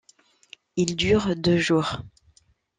Il dure deux jours.